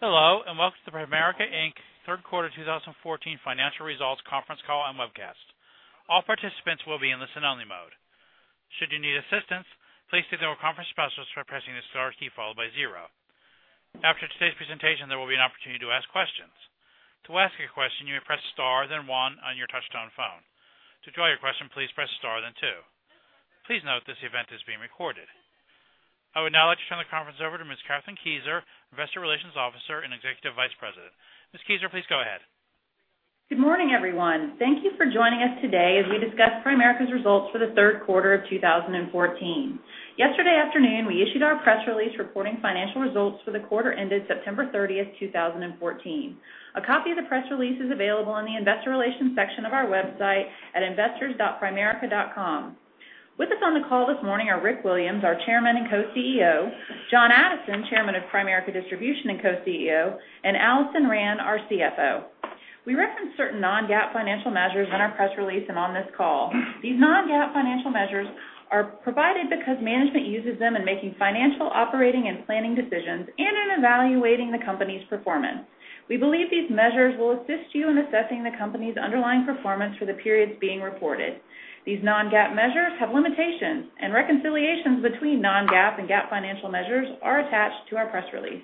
Hello, and welcome to the Primerica, Inc. Third Quarter 2014 Financial Results Conference Call and Webcast. All participants will be in the listen-only mode. Should you need assistance, please signal a conference specialist by pressing the star key, followed by zero. After today's presentation, there will be an opportunity to ask questions. To ask a question, you may press star then one on your touch-tone phone. To withdraw your question, please press star, then two. Please note this event is being recorded. I would now like to turn the conference over to Ms. Kathryn Kieser, Executive Vice President of Investor Relations. Ms. Kieser, please go ahead. Good morning, everyone. Thank you for joining us today as we discuss Primerica's results for the third quarter of 2014. Yesterday afternoon, we issued our press release reporting financial results for the quarter ended September 30th, 2014. A copy of the press release is available in the investor relations section of our website at investors.primerica.com. With us on the call this morning are Rick Williams, Chairman of the Board and Co-Chief Executive Officer, John Addison, Chairman of Primerica Distribution and Co-Chief Executive Officer, and Alison Rand, our CFO. We reference certain non-GAAP financial measures on our press release and on this call. These non-GAAP financial measures are provided because management uses them in making financial operating and planning decisions and in evaluating the company's performance. We believe these measures will assist you in assessing the company's underlying performance for the periods being reported. These non-GAAP measures have limitations, and reconciliations between non-GAAP and GAAP financial measures are attached to our press release.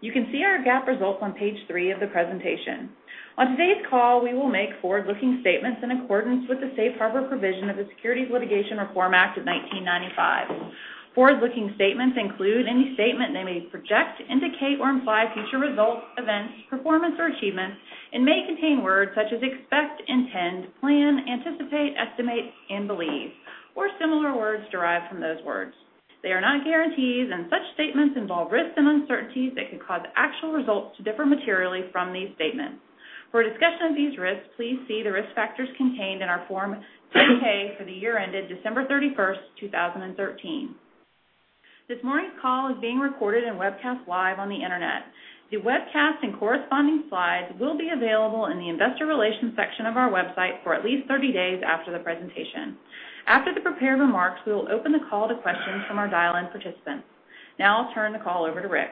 You can see our GAAP results on page three of the presentation. On today's call, we will make forward-looking statements in accordance with the safe harbor provision of the Private Securities Litigation Reform Act of 1995. Forward-looking statements include any statement that may project, indicate, or imply future results, events, performance, or achievements and may contain words such as "expect," "intend," "plan," "anticipate," "estimate," and "believe," or similar words derived from those words. They are not guarantees, and such statements involve risks and uncertainties that could cause actual results to differ materially from these statements. For a discussion of these risks, please see the risk factors contained in our Form 10-K for the year ended December 31st, 2013. This morning's call is being recorded and webcast live on the internet. The webcast and corresponding slides will be available in the investor relations section of our website for at least 30 days after the presentation. After the prepared remarks, we will open the call to questions from our dial-in participants. Now I'll turn the call over to Rick.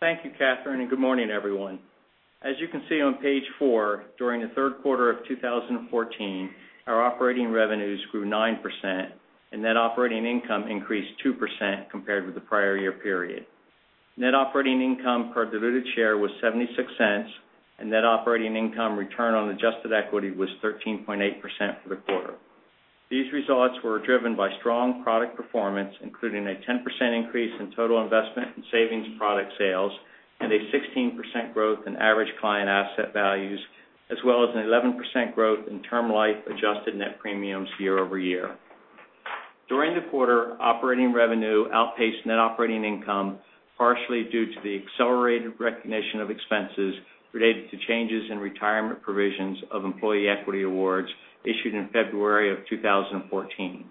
Thank you, Kathryn, and good morning, everyone. As you can see on page four, during the third quarter of 2014, our operating revenues grew 9%, and net operating income increased 2% compared with the prior year period. Net operating income per diluted share was $0.76, and net operating income return on adjusted equity was 13.8% for the quarter. These results were driven by strong product performance, including a 10% increase in total Investment and Savings Products sales and a 16% growth in average client asset values, as well as an 11% growth in Term Life adjusted net premiums year-over-year. During the quarter, operating revenue outpaced net operating income, partially due to the accelerated recognition of expenses related to changes in retirement provisions of employee equity awards issued in February of 2014.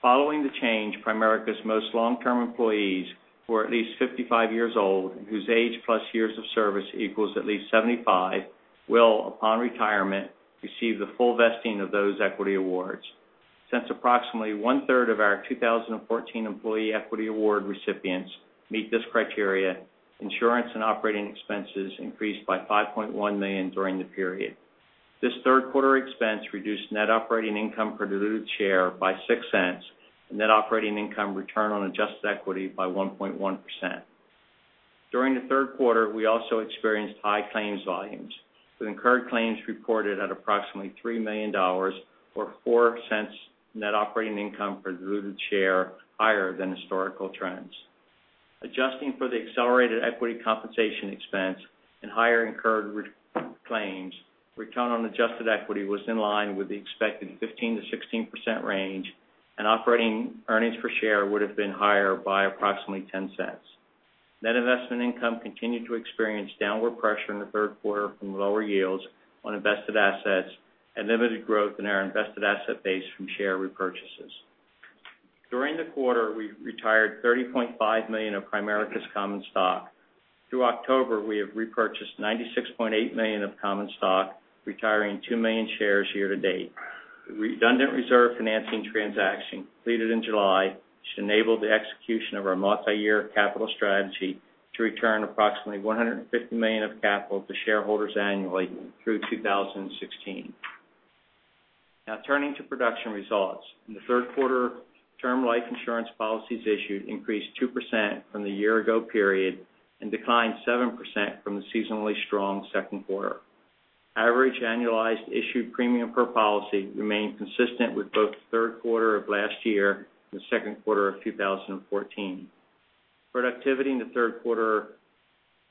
Following the change, Primerica's most long-term employees, who are at least 55 years old and whose age plus years of service equals at least 75, will, upon retirement, receive the full vesting of those equity awards. Since approximately one-third of our 2014 employee equity award recipients meet this criteria, insurance and operating expenses increased by $5.1 million during the period. This third quarter expense reduced net operating income per diluted share by $0.06 and net operating income return on adjusted equity by 1.1%. During the third quarter, we also experienced high claims volumes, with incurred claims reported at approximately $3 million, or $0.04 net operating income per diluted share higher than historical trends. Adjusting for the accelerated equity compensation expense and higher incurred claims, return on adjusted equity was in line with the expected 15%-16% range, and operating earnings per share would have been higher by approximately $0.10. Net investment income continued to experience downward pressure in the third quarter from lower yields on invested assets and limited growth in our invested asset base from share repurchases. During the quarter, we retired $30.5 million of Primerica's common stock. Through October, we have repurchased $96.8 million of common stock, retiring 2 million shares year-to-date. The redundant reserve financing transaction completed in July, which enabled the execution of our multi-year capital strategy to return approximately $150 million of capital to shareholders annually through 2016. Now turning to production results. In the third quarter, Term Life insurance policies issued increased 2% from the year ago period and declined 7% from the seasonally strong second quarter. Average annualized issued premium per policy remained consistent with both the third quarter of last year and the second quarter of 2014. Productivity in the third quarter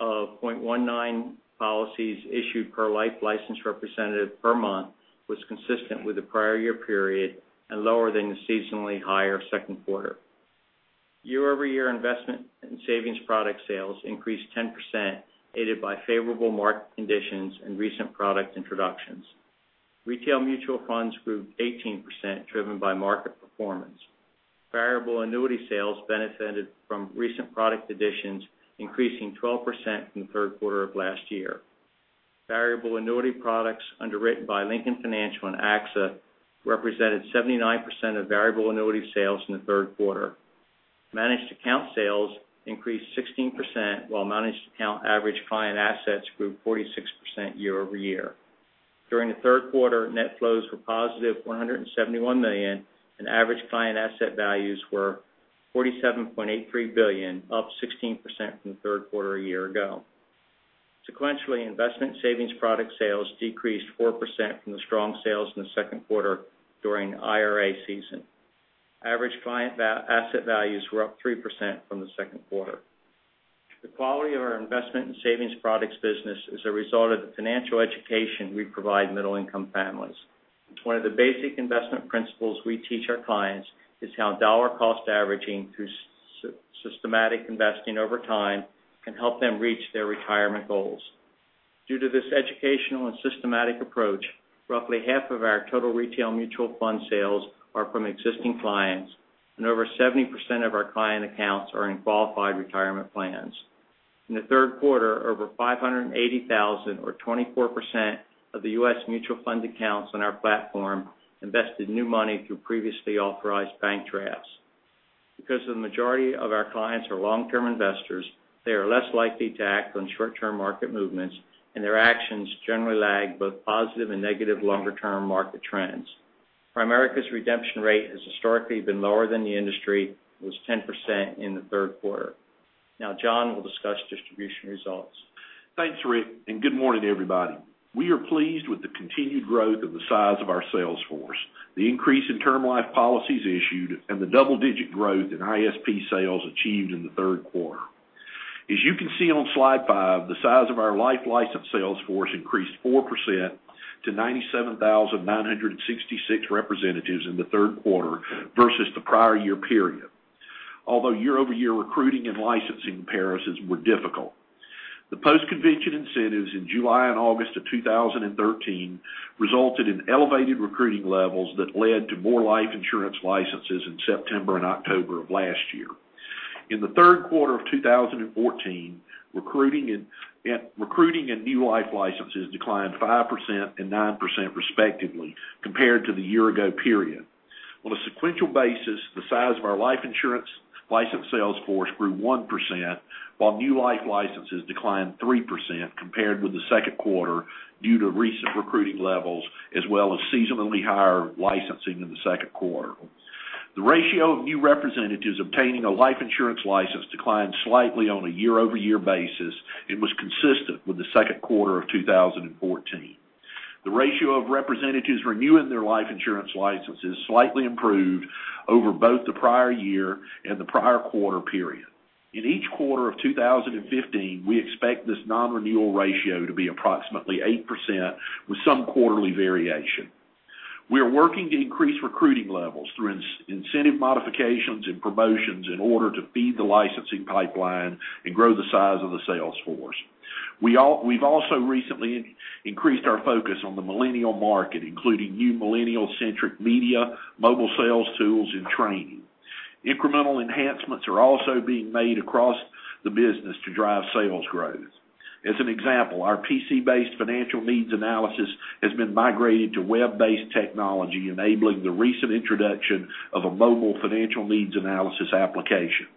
of 0.19 policies issued per life license representative per month was consistent with the prior year period and lower than the seasonally higher second quarter. Year-over-year Investment and Savings Products sales increased 10%, aided by favorable market conditions and recent product introductions. retail mutual funds grew 18%, driven by market performance. variable annuity sales benefited from recent product additions, increasing 12% from the third quarter of last year. variable annuity products underwritten by Lincoln Financial and AXA represented 79% of variable annuity sales in the third quarter. managed account sales increased 16%, while managed account average client assets grew 46% year-over-year. During the third quarter, net flows were positive $171 million, and average client asset values were $47.83 billion, up 16% from the third quarter a year ago. Sequentially, Investment and Savings Products sales decreased 4% from the strong sales in the second quarter during the IRA season. Average client asset values were up 3% from the second quarter. The quality of our Investment and Savings Products business is a result of the financial education we provide middle-income families. One of the basic investment principles we teach our clients is how dollar-cost averaging through systematic investing over time can help them reach their retirement goals. Due to this educational and systematic approach, roughly half of our total retail mutual fund sales are from existing clients, and over 70% of our client accounts are in qualified retirement plans. In the third quarter, over 580,000 or 24% of the U.S. mutual fund accounts on our platform invested new money through previously authorized bank drafts. The majority of our clients are long-term investors, they are less likely to act on short-term market movements, and their actions generally lag both positive and negative longer-term market trends. Primerica's redemption rate has historically been lower than the industry, and was 10% in the third quarter. John will discuss distribution results. Thanks, Rick, good morning, everybody. We are pleased with the continued growth of the size of our sales force, the increase in Term Life policies issued, and the double-digit growth in ISP sales achieved in the third quarter. As you can see on slide five, the size of our life license sales force increased 4% to 97,966 representatives in the third quarter versus the prior year period. Although year-over-year recruiting and licensing comparisons were difficult. The post-convention incentives in July and August of 2013 resulted in elevated recruiting levels that led to more life insurance licenses in September and October of last year. In the third quarter of 2014, recruiting and new life licenses declined 5% and 9% respectively compared to the year-ago period. On a sequential basis, the size of our life insurance license sales force grew 1%, while new life licenses declined 3% compared with the second quarter due to recent recruiting levels, as well as seasonally higher licensing in the second quarter. The ratio of new representatives obtaining a life insurance license declined slightly on a year-over-year basis and was consistent with the second quarter of 2014. The ratio of representatives renewing their life insurance licenses slightly improved over both the prior year and the prior quarter period. In each quarter of 2015, we expect this non-renewal ratio to be approximately 8% with some quarterly variation. We are working to increase recruiting levels through incentive modifications and promotions in order to feed the licensing pipeline and grow the size of the sales force. We've also recently increased our focus on the millennial market, including new millennial-centric media, mobile sales tools, and training. Incremental enhancements are also being made across the business to drive sales growth. As an example, our PC-based financial needs analysis has been migrated to web-based technology, enabling the recent introduction of a mobile financial needs analysis application.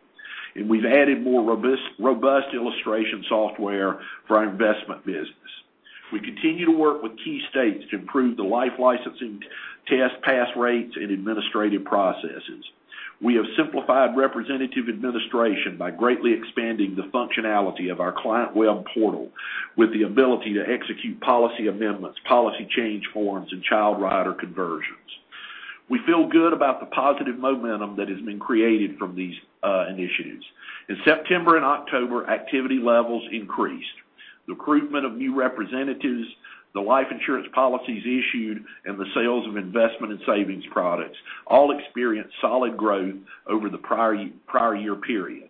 We've added more robust illustration software for our investment business. We continue to work with key states to improve the life licensing test pass rates and administrative processes. We have simplified representative administration by greatly expanding the functionality of our client web portal with the ability to execute policy amendments, policy change forms, and child rider conversions. We feel good about the positive momentum that has been created from these initiatives. In September and October, activity levels increased. The recruitment of new representatives, the life insurance policies issued, and the sales of investment and savings products all experienced solid growth over the prior year period.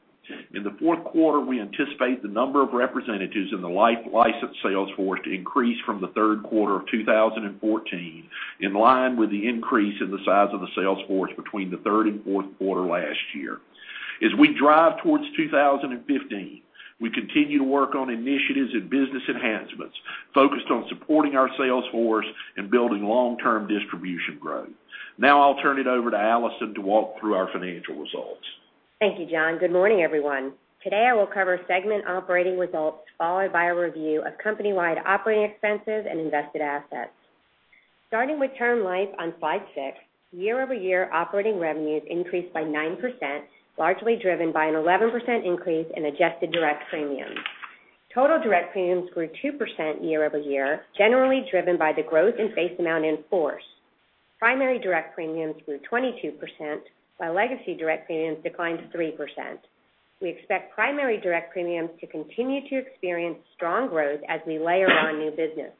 In the fourth quarter, we anticipate the number of representatives in the life license sales force to increase from the third quarter of 2014, in line with the increase in the size of the sales force between the third and fourth quarter last year. As we drive towards 2015, we continue to work on initiatives and business enhancements focused on supporting our sales force and building long-term distribution growth. Now I'll turn it over to Alison to walk through our financial results. Thank you, John. Good morning, everyone. Today, I will cover segment operating results followed by a review of company-wide operating expenses and invested assets. Starting with Term Life on slide six, year-over-year operating revenues increased by 9%, largely driven by an 11% increase in adjusted direct premiums. Total direct premiums grew 2% year-over-year, generally driven by the growth in face amount in force. Primary direct premiums grew 22%, while legacy direct premiums declined 3%. We expect primary direct premiums to continue to experience strong growth as we layer on new business.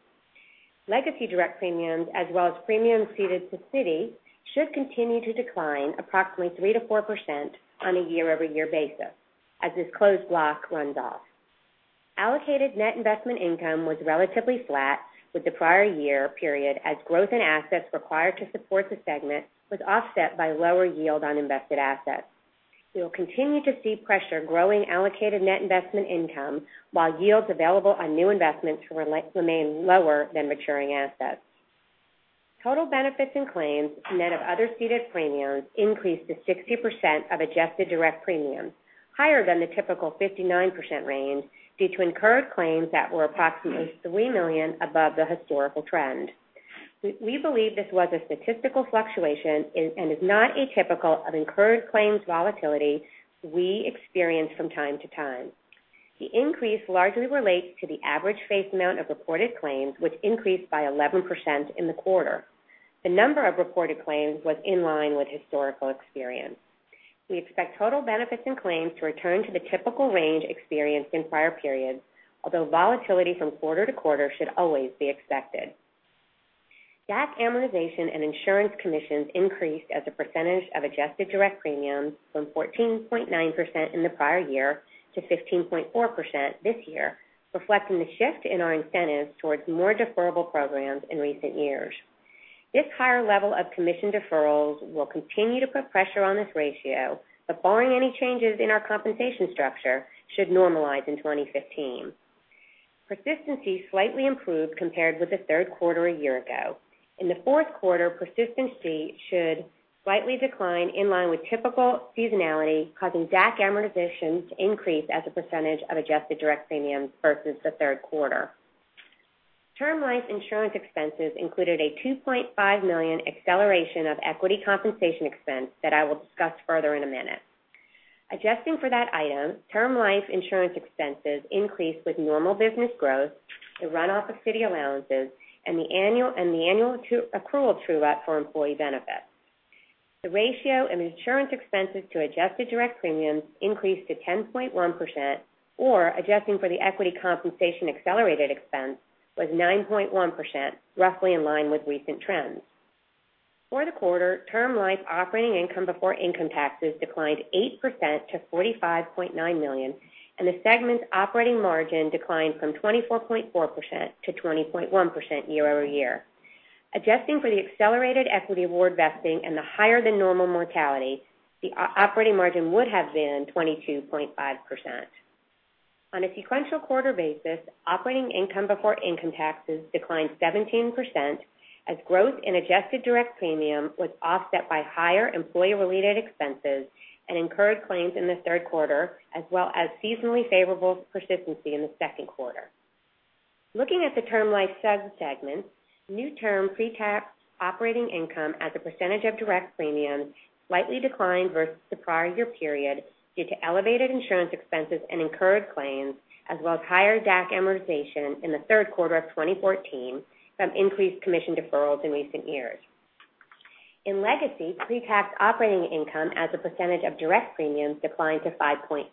Legacy direct premiums, as well as premiums ceded to Citi, should continue to decline approximately 3%-4% on a year-over-year basis as this closed block runs off. Allocated net investment income was relatively flat with the prior year period as growth in assets required to support the segment was offset by lower yield on invested assets. We will continue to see pressure growing allocated net investment income while yields available on new investments remain lower than maturing assets. Total benefits and claims, net of other ceded premiums, increased to 60% of adjusted direct premiums, higher than the typical 59% range due to incurred claims that were approximately $3 million above the historical trend. We believe this was a statistical fluctuation and is not atypical of incurred claims volatility we experience from time to time. The increase largely relates to the average face amount of reported claims, which increased by 11% in the quarter. The number of reported claims was in line with historical experience. We expect total benefits and claims to return to the typical range experienced in prior periods, although volatility from quarter-to-quarter should always be expected. DAC amortization and insurance commissions increased as a percentage of adjusted direct premiums from 14.9% in the prior year to 15.4% this year, reflecting the shift in our incentives towards more deferrable programs in recent years. This higher level of commission deferrals will continue to put pressure on this ratio, but barring any changes in our compensation structure, should normalize in 2015. Persistency slightly improved compared with the third quarter a year ago. In the fourth quarter, persistency should slightly decline in line with typical seasonality, causing DAC amortization to increase as a percentage of adjusted direct premiums versus the third quarter. Term Life insurance expenses included a $2.5 million acceleration of equity compensation expense that I will discuss further in a minute. Adjusting for that item, Term Life insurance expenses increased with normal business growth, the run-off of Citi allowances, and the annual accrual true-up for employee benefits. The ratio in insurance expenses to adjusted direct premiums increased to 10.1%, or adjusting for the equity compensation accelerated expense, was 9.1%, roughly in line with recent trends. For the quarter, Term Life operating income before income taxes declined 8% to $45.9 million, and the segment's operating margin declined from 24.4% to 20.1% year-over-year. Adjusting for the accelerated equity award vesting and the higher than normal mortality, the operating margin would have been 22.5%. On a sequential quarter basis, operating income before income taxes declined 17% as growth in adjusted direct premium was offset by higher employee-related expenses and incurred claims in the third quarter, as well as seasonally favorable persistency in the second quarter. Looking at the Term Life sub-segments, new term pre-tax operating income as a percentage of direct premiums slightly declined versus the prior year period due to elevated insurance expenses and incurred claims, as well as higher DAC amortization in the third quarter of 2014 from increased commission deferrals in recent years. In Legacy, pre-tax operating income as a percentage of direct premiums declined to 5.5%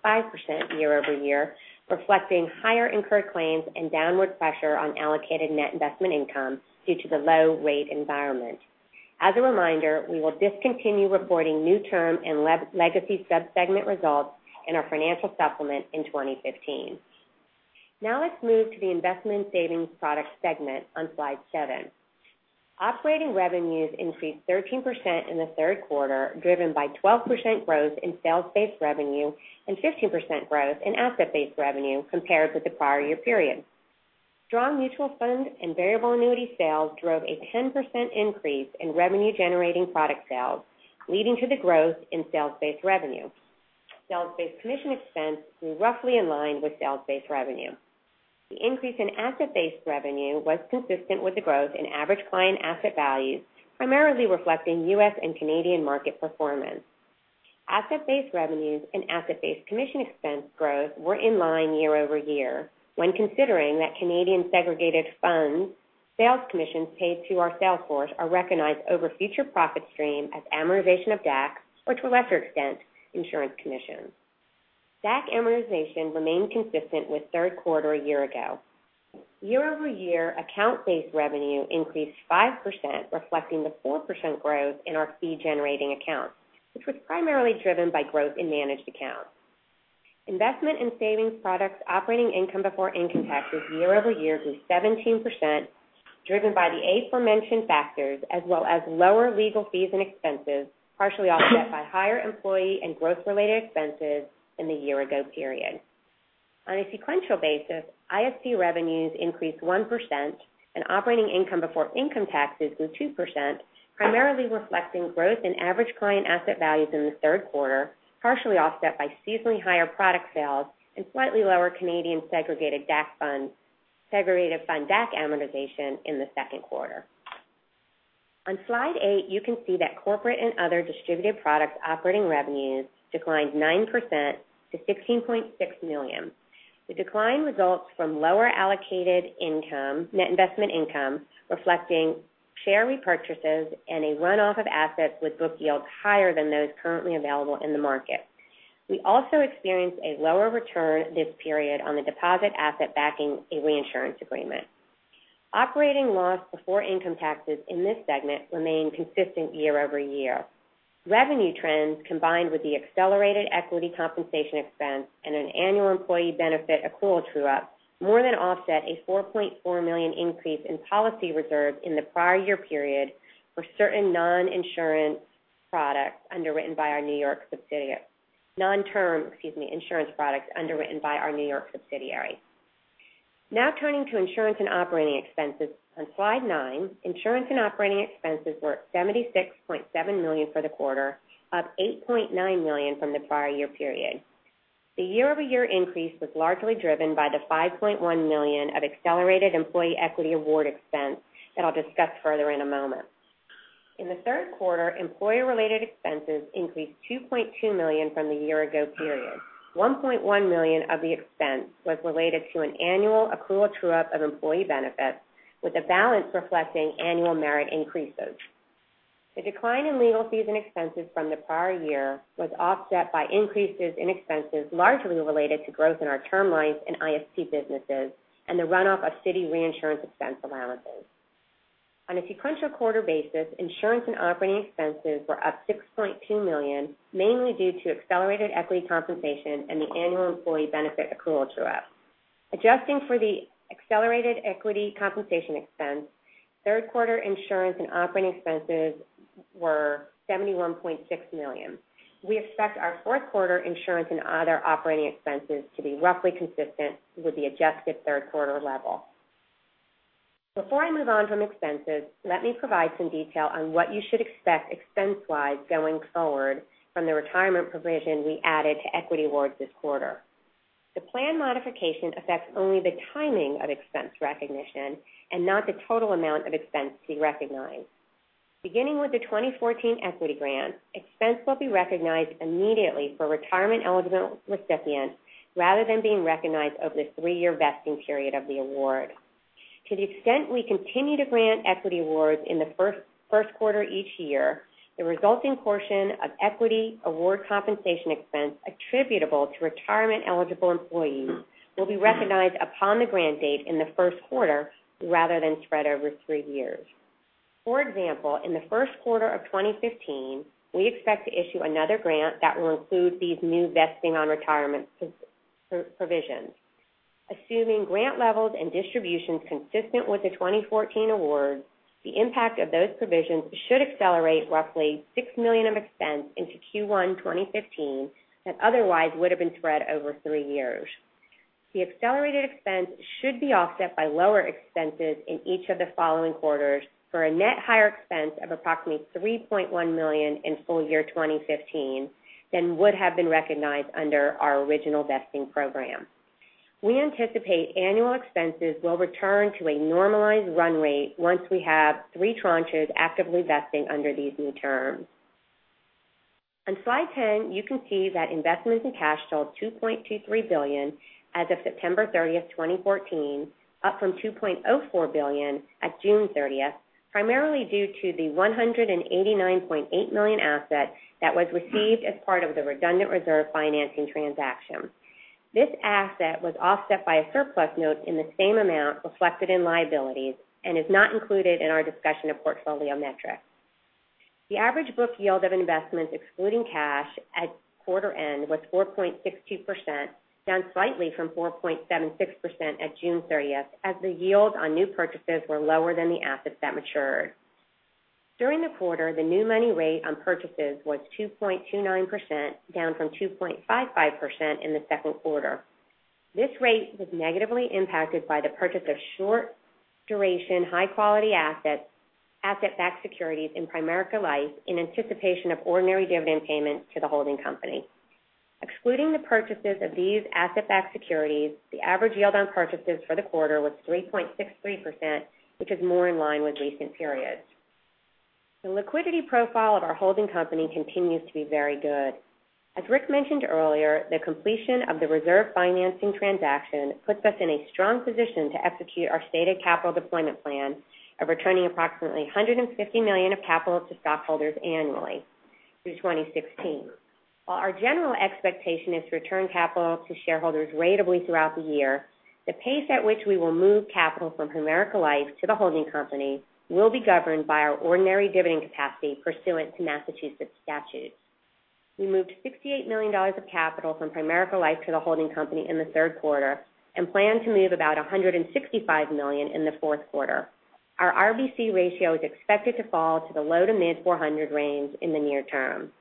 year-over-year, reflecting higher incurred claims and downward pressure on allocated net investment income due to the low rate environment. As a reminder, we will discontinue reporting new term and Legacy sub-segment results in our financial supplement in 2015. Now let's move to the Investment and Savings Product segment on slide seven. Operating revenues increased 13% in the third quarter, driven by 12% growth in sales-based revenue and 15% growth in asset-based revenue compared with the prior year period. Strong mutual fund and variable annuity sales drove a 10% increase in revenue-generating product sales, leading to the growth in sales-based revenue. Sales-based commission expense grew roughly in line with sales-based revenue. The increase in asset-based revenue was consistent with the growth in average client asset values, primarily reflecting U.S. and Canadian market performance. Asset-based revenues and asset-based commission expense growth were in line year-over-year when considering that Canadian segregated fund sales commissions paid to our sales force are recognized over future profit stream as amortization of DAC, or to a lesser extent, insurance commissions. DAC amortization remained consistent with third quarter a year ago. Year-over-year account-based revenue increased 5%, reflecting the 4% growth in our fee-generating accounts, which was primarily driven by growth in managed accounts. Investment and savings products operating income before income taxes year-over-year grew 17%, driven by the aforementioned factors as well as lower legal fees and expenses, partially offset by higher employee and growth-related expenses in the year ago period. On a sequential basis, ISP revenues increased 1% and operating income before income taxes grew 2%, primarily reflecting growth in average client asset values in the third quarter, partially offset by seasonally higher product sales and slightly lower Canadian segregated fund DAC amortization in the second quarter. On slide eight, you can see that corporate and other distributed products operating revenues declined 9% to $16.6 million. The decline results from lower allocated net investment income, reflecting share repurchases and a run-off of assets with book yields higher than those currently available in the market. We also experienced a lower return this period on the deposit asset backing a reinsurance agreement. Operating loss before income taxes in this segment remained consistent year-over-year. Revenue trends, combined with the accelerated equity compensation expense and an annual employee benefit accrual true-up, more than offset a $4.4 million increase in policy reserves in the prior year period for certain non-Term Life insurance products underwritten by our New York subsidiary. Turning to insurance and operating expenses on slide nine. Insurance and operating expenses were at $76.7 million for the quarter, up $8.9 million from the prior year period. The year-over-year increase was largely driven by the $5.1 million of accelerated employee equity award expense that I'll discuss further in a moment. In the third quarter, employer-related expenses increased $2.2 million from the year ago period. $1.1 million of the expense was related to an annual accrual true-up of employee benefits, with the balance reflecting annual merit increases. The decline in legal fees and expenses from the prior year was offset by increases in expenses, largely related to growth in our Term Life lines and ISP businesses and the run-off of Citi reinsurance expense allowances. On a sequential quarter basis, insurance and operating expenses were up $6.2 million, mainly due to accelerated equity compensation and the annual employee benefit accrual true-up. Adjusting for the accelerated equity compensation expense, third quarter insurance and operating expenses were $71.6 million. We expect our fourth quarter insurance and other operating expenses to be roughly consistent with the adjusted third quarter level. Before I move on from expenses, let me provide some detail on what you should expect expense-wise going forward from the retirement provision we added to equity awards this quarter. The plan modification affects only the timing of expense recognition and not the total amount of expense to be recognized. Beginning with the 2014 equity grant, expense will be recognized immediately for retirement-eligible recipients rather than being recognized over the three-year vesting period of the award. To the extent we continue to grant equity awards in the first quarter each year, the resulting portion of equity award compensation expense attributable to retirement-eligible employees will be recognized upon the grant date in the first quarter rather than spread over three years. For example, in the first quarter of 2015, we expect to issue another grant that will include these new vesting on retirement provisions. Assuming grant levels and distributions consistent with the 2014 awards, the impact of those provisions should accelerate roughly $6 million of expense into Q1 2015 that otherwise would have been spread over three years. The accelerated expense should be offset by lower expenses in each of the following quarters, for a net higher expense of approximately $3.1 million in full year 2015 than would have been recognized under our original vesting program. We anticipate annual expenses will return to a normalized run rate once we have three tranches actively vesting under these new terms. On Slide 10, you can see that investments in cash totals $2.23 billion as of September 30, 2014, up from $2.04 billion at June 30, primarily due to the $189.8 million asset that was received as part of the redundant reserve financing transaction. This asset was offset by a surplus note in the same amount reflected in liabilities and is not included in our discussion of portfolio metrics. The average book yield of investments excluding cash at quarter end was 4.62%, down slightly from 4.76% at June 30, as the yield on new purchases were lower than the assets that matured. During the quarter, the new money rate on purchases was 2.29%, down from 2.55% in the second quarter. This rate was negatively impacted by the purchase of short duration, high-quality asset-backed securities in Primerica Life in anticipation of ordinary dividend payments to the holding company. Excluding the purchases of these asset-backed securities, the average yield on purchases for the quarter was 3.63%, which is more in line with recent periods. The liquidity profile of our holding company continues to be very good. As Rick mentioned earlier, the completion of the reserve financing transaction puts us in a strong position to execute our stated capital deployment plan of returning approximately $150 million of capital to stockholders annually through 2016. While our general expectation is to return capital to shareholders ratably throughout the year, the pace at which we will move capital from Primerica Life to the holding company will be governed by our ordinary dividend capacity pursuant to Massachusetts statutes. We moved $68 million of capital from Primerica Life to the holding company in the third quarter and plan to move about $165 million in the fourth quarter. Our RBC ratio is expected to fall to the low to mid-400 range in the near term.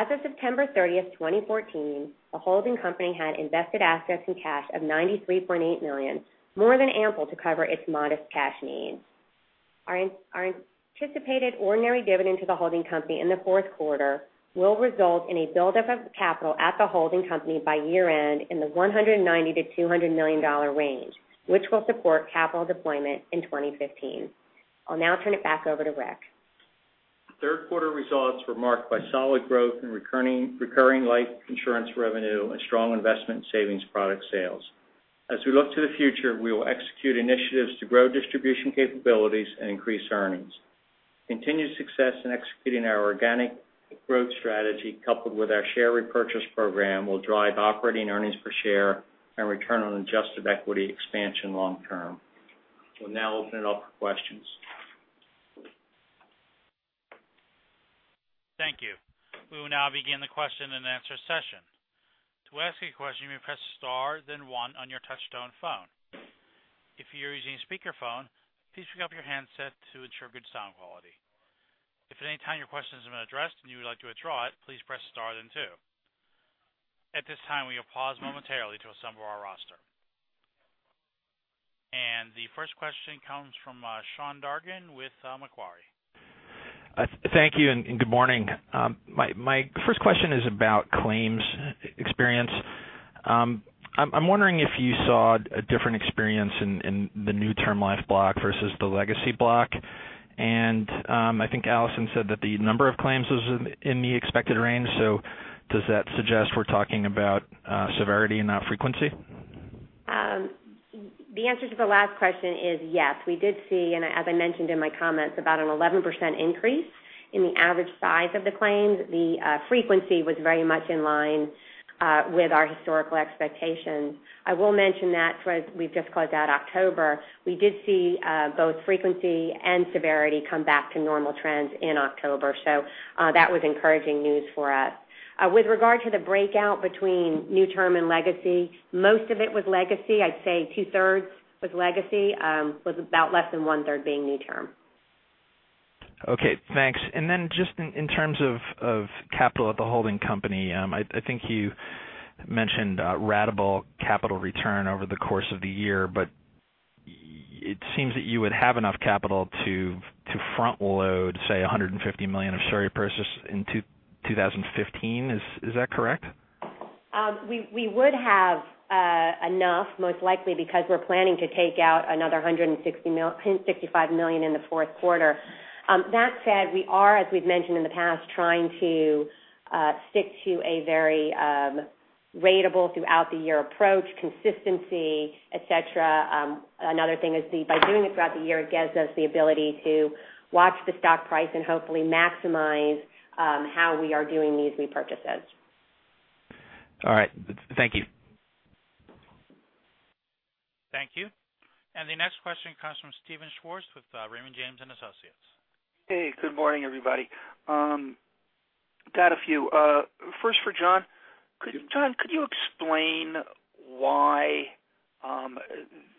As of September 30, 2014, the holding company had invested assets and cash of $93.8 million, more than ample to cover its modest cash needs. Our anticipated ordinary dividend to the holding company in the fourth quarter will result in a buildup of capital at the holding company by year-end in the $190 million to $200 million range, which will support capital deployment in 2015. I'll now turn it back over to Rick. Third quarter results were marked by solid growth in recurring life insurance revenue and strong Investment and Savings Products sales. As we look to the future, we will execute initiatives to grow distribution capabilities and increase earnings. Continued success in executing our organic growth strategy coupled with our share repurchase program will drive operating earnings per share and return on adjusted equity expansion long term. We'll now open it up for questions. Thank you. We will now begin the question-and-answer session. To ask a question, you may press star then one on your touchtone phone. If you're using a speakerphone, please pick up your handset to ensure good sound quality. If at any time your question hasn't been addressed and you would like to withdraw it, please press star then two. At this time, we will pause momentarily to assemble our roster. The first question comes from Sean Dargan with Macquarie. Thank you, and good morning. My first question is about claims experience. I'm wondering if you saw a different experience in the new Term Life block versus the legacy block. I think Alison said that the number of claims was in the expected range. Does that suggest we're talking about severity and not frequency? The answer to the last question is yes. We did see, and as I mentioned in my comments, about an 11% increase in the average size of the claims. The frequency was very much in line with our historical expectations. I will mention that we've just closed out October. We did see both frequency and severity come back to normal trends in October. That was encouraging news for us. With regard to the breakout between new Term Life and legacy, most of it was legacy. I'd say two-thirds was legacy, with about less than one-third being new Term Life. Okay, thanks. Just in terms of capital at the holding company, I think you mentioned ratable capital return over the course of the year, but it seems that you would have enough capital to front-load, say, $150 million of share repurchases in 2015. Is that correct? We would have enough, most likely because we're planning to take out another $165 million in the fourth quarter. That said, we are, as we've mentioned in the past, trying to stick to a very ratable throughout the year approach, consistency, et cetera. Another thing is by doing it throughout the year, it gives us the ability to watch the stock price and hopefully maximize how we are doing these repurchases. All right. Thank you. Thank you. The next question comes from Steven Schwartz with Raymond James & Associates. Hey, good morning, everybody. Got a few. First for John. John, could you explain why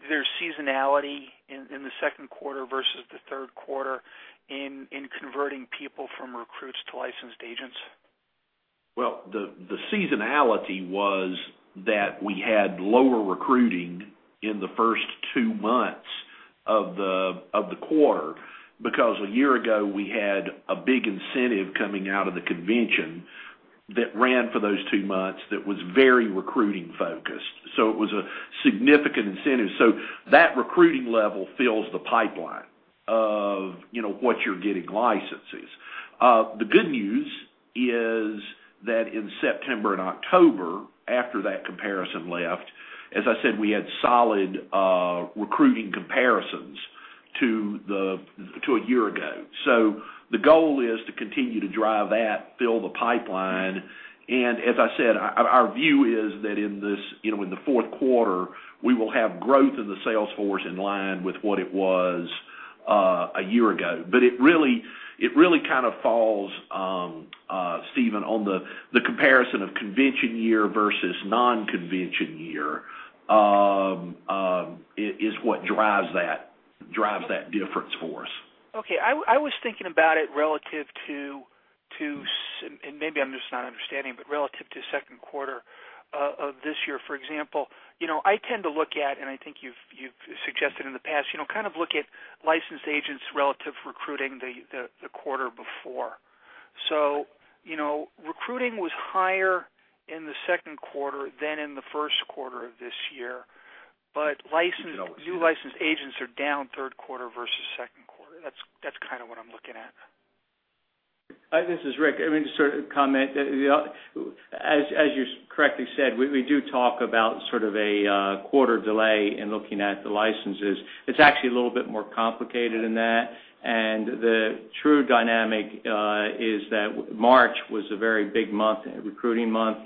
there's seasonality in the second quarter versus the third quarter in converting people from recruits to licensed agents? Well, the seasonality was that we had lower recruiting in the first two months of the quarter because a year ago we had a big incentive coming out of the convention that ran for those two months that was very recruiting focused. It was a significant incentive. That recruiting level fills the pipeline of what you're getting licenses. The good news is that in September and October, after that comparison left, as I said, we had solid recruiting comparisons to a year ago. The goal is to continue to drive that, fill the pipeline, and as I said, our view is that in the fourth quarter, we will have growth in the sales force in line with what it was a year ago. It really kind of falls, Steven, on the comparison of convention year versus non-convention year, is what drives that difference for us. Okay. I was thinking about it relative to, and maybe I'm just not understanding, but relative to second quarter of this year, for example. I tend to look at, and I think you've suggested in the past, kind of look at licensed agents relative to recruiting the quarter before. Recruiting was higher in the second quarter than in the first quarter of this year. New licensed agents are down third quarter versus second quarter. That's kind of what I'm looking at. This is Rick. Let me just sort of comment. As you correctly said, we do talk about sort of a quarter delay in looking at the licenses. It's actually a little bit more complicated than that, and the true dynamic is that March was a very big month, a recruiting month,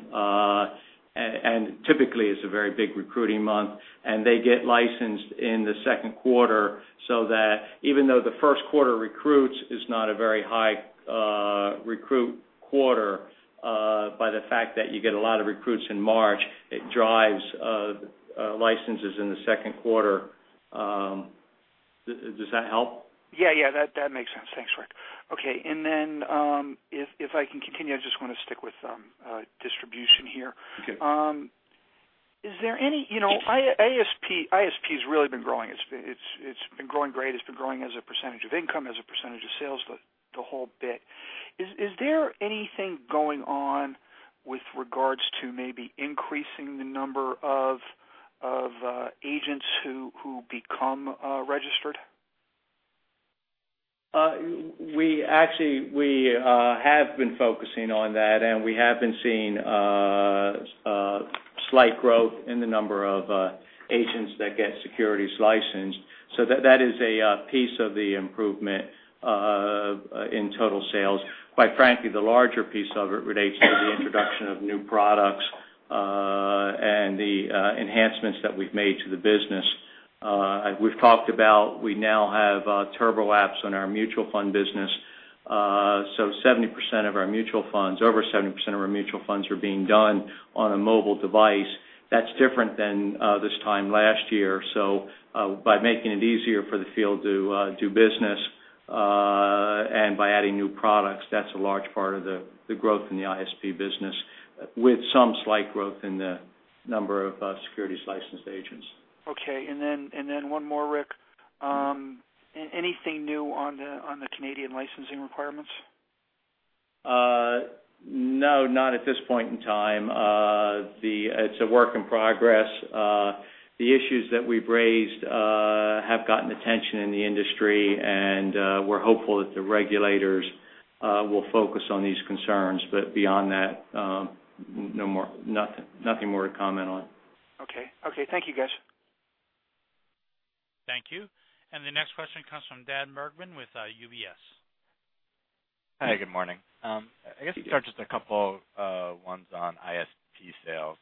and typically is a very big recruiting month, and they get licensed in the second quarter so that even though the first quarter recruits is not a very high recruit quarter by the fact that you get a lot of recruits in March, it drives licenses in the second quarter. Does that help? Yeah. That makes sense. Thanks, Rick. Okay. If I can continue, I just want to stick with distribution here. Okay. ISP has really been growing. It's been growing great. It's been growing as a % of income, as a % of sales, the whole bit. Is there anything going on with regards to maybe increasing the number of agents who become registered? We have been focusing on that, and we have been seeing a slight growth in the number of agents that get securities licensed. That is a piece of the improvement in total sales. Quite frankly, the larger piece of it relates to the introduction of new products and the enhancements that we've made to the business. We've talked about we now have TurboApps on our mutual fund business 70% of our mutual funds, over 70% of our mutual funds are being done on a mobile device. That's different than this time last year. By making it easier for the field to do business, and by adding new products, that's a large part of the growth in the ISP business, with some slight growth in the number of securities licensed agents. Okay, one more, Rick. Anything new on the Canadian licensing requirements? No, not at this point in time. It's a work in progress. The issues that we've raised have gotten attention in the industry, we're hopeful that the regulators will focus on these concerns. Beyond that, nothing more to comment on. Okay. Thank you, guys. Thank you. The next question comes from Dan Bergman with UBS. Hi, good morning. I guess I'll start just a couple ones on ISP sales.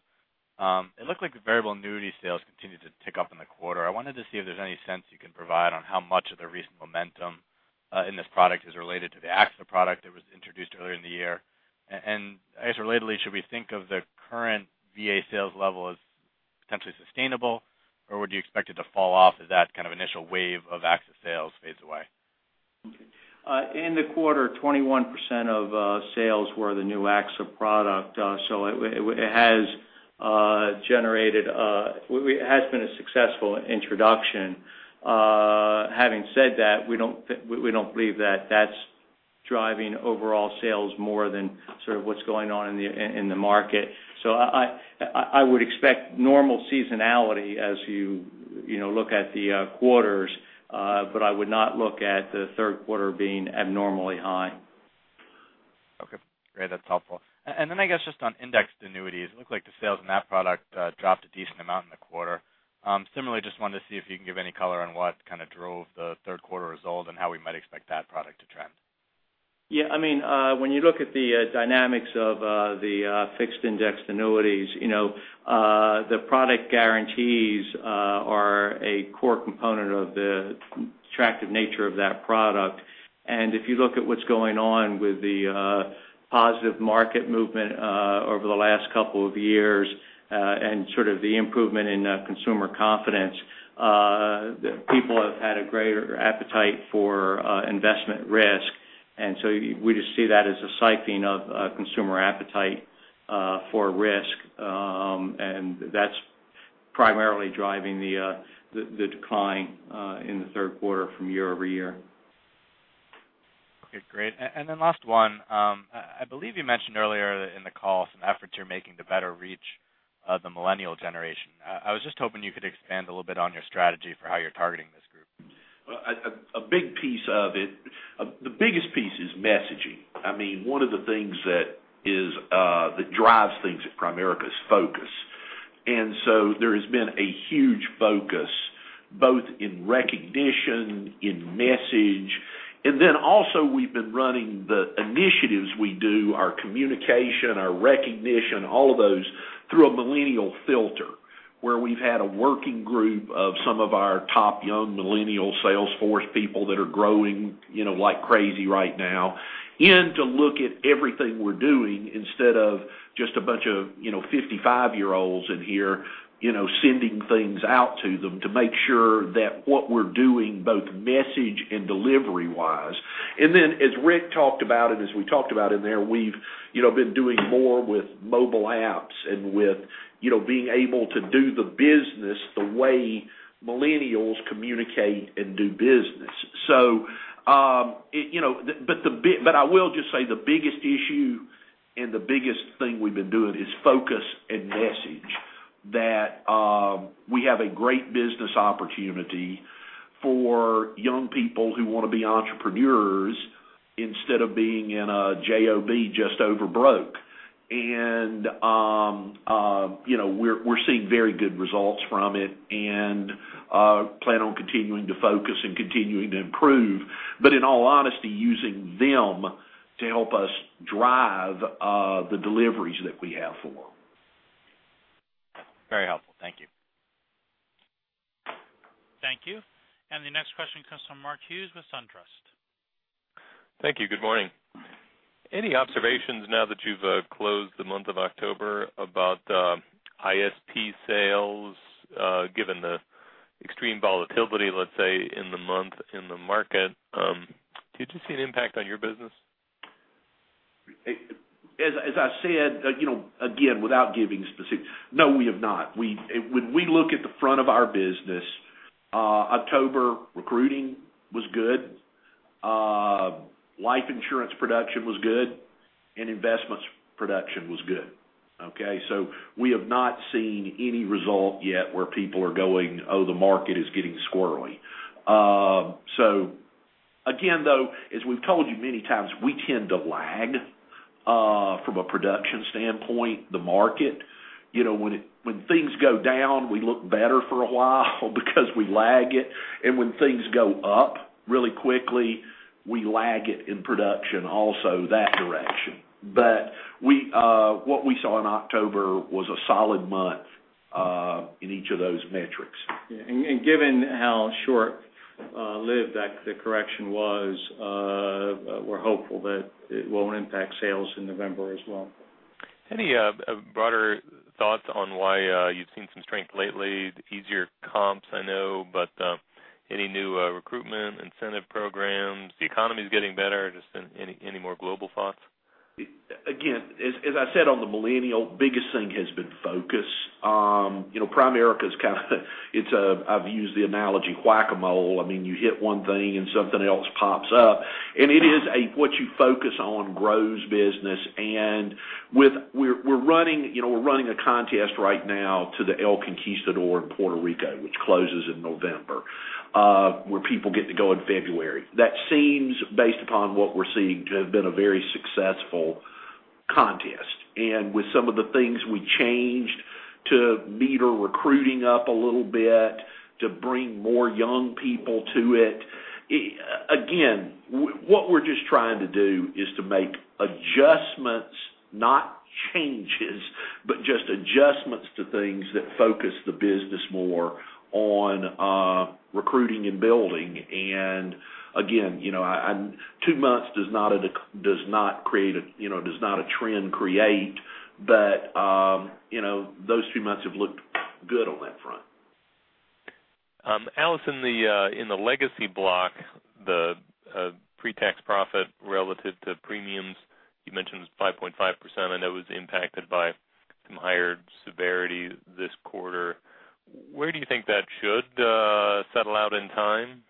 It looked like the variable annuity sales continued to tick up in the quarter. I wanted to see if there's any sense you can provide on how much of the recent momentum in this product is related to the AXA product that was introduced earlier in the year. I guess relatedly, should we think of the current VA sales level as potentially sustainable, or would you expect it to fall off as that kind of initial wave of AXA sales fades away? In the quarter, 21% of sales were the new AXA product. It has been a successful introduction. Having said that, we don't believe that that's driving overall sales more than sort of what's going on in the market. I would expect normal seasonality as you look at the quarters. I would not look at the third quarter being abnormally high. Okay, great. That's helpful. I guess just on indexed annuities, it looked like the sales in that product dropped a decent amount in the quarter. Similarly, just wanted to see if you can give any color on what drove the third quarter result and how we might expect that product to trend. When you look at the dynamics of the fixed indexed annuities, the product guarantees are a core component of the attractive nature of that product. If you look at what's going on with the positive market movement over the last couple of years, and sort of the improvement in consumer confidence, people have had a greater appetite for investment risk. We just see that as a siphoning of consumer appetite for risk. That's primarily driving the decline in the third quarter from year-over-year. Okay, great. Last one, I believe you mentioned earlier in the call some efforts you're making to better reach the millennial generation. I was just hoping you could expand a little bit on your strategy for how you're targeting this group. A big piece of it, the biggest piece is messaging. One of the things that drives things at Primerica is focus. There has been a huge focus both in recognition, in message, and then also we've been running the initiatives we do, our communication, our recognition, all of those through a millennial filter, where we've had a working group of some of our top young millennial sales force people that are growing like crazy right now in to look at everything we're doing instead of just a bunch of 55-year-olds in here sending things out to them to make sure that what we're doing, both message and delivery wise. As Rick talked about it, as we talked about in there, we've been doing more with mobile apps and with being able to do the business the way millennials communicate and do business. I will just say the biggest issue and the biggest thing we've been doing is focus and message that we have a great business opportunity for young people who want to be entrepreneurs instead of being in a J-O-B, just over broke. We're seeing very good results from it and plan on continuing to focus and continuing to improve, in all honesty, using them to help us drive the deliveries that we have for them. Very helpful. Thank you. Thank you. The next question comes from Mark Hughes with SunTrust. Thank you. Good morning. Any observations now that you've closed the month of October about ISP sales given the extreme volatility, let's say, in the month in the market? Did you see an impact on your business? As I said, again, without giving specifics, no, we have not. When we look at the front of our business, October recruiting was good, life insurance production was good, and investments production was good. Okay? We have not seen any result yet where people are going, "Oh, the market is getting squirrely." Again, though, as we've told you many times, we tend to lag from a production standpoint, the market. When things go down, we look better for a while because we lag it, and when things go up really quickly, we lag it in production also that direction. What we saw in October was a solid month in each of those metrics. Given how short-lived that the correction was, we're hopeful that it won't impact sales in November as well. Any broader thoughts on why you've seen some strength lately? The easier comps, I know, any new recruitment incentive programs? The economy's getting better. Just any more global thoughts? Again, as I said on the millennial, biggest thing has been focus. Primerica is kind of, I've used the analogy, whack-a-mole. I mean, you hit one thing, something else pops up. It is a what you focus on grows business. We're running a contest right now to the El Conquistador in Puerto Rico, which closes in November, where people get to go in February. That seems, based upon what we're seeing, to have been a very successful contest. With some of the things we changed to meter recruiting up a little bit to bring more young people to it. Again, what we're just trying to do is to make adjustments, not changes, just adjustments to things that focus the business more on recruiting and building. Again, two months does not a trend create. Those two months have looked good on that front. Alison, in the legacy block, the pre-tax profit relative to premiums, you mentioned was 5.5%. I know it was impacted by some higher severity this quarter. Where do you think that should settle out in time?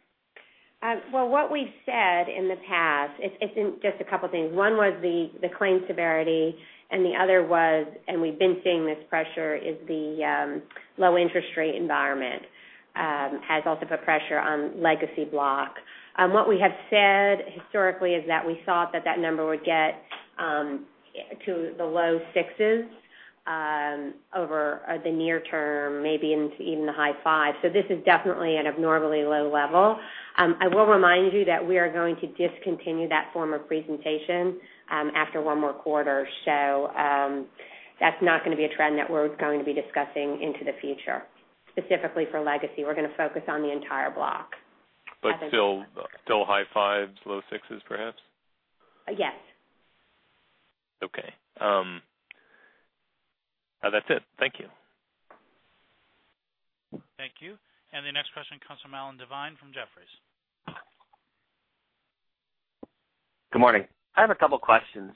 Well, what we've said in the past, it's in just a couple things. One was the claim severity, and the other was, and we've been seeing this pressure, is the low interest rate environment has also put pressure on legacy block. What we have said historically is that we thought that that number would get to the low sixes over the near term, maybe into even the high fives. This is definitely an abnormally low level. I will remind you that we are going to discontinue that form of presentation after one more quarter. That's not going to be a trend that we're going to be discussing into the future. Specifically for legacy, we're going to focus on the entire block. Still high fives, low sixes, perhaps? Yes. Okay. That's it. Thank you. Thank you. The next question comes from Alan Devine from Jefferies. Good morning. I have a couple questions.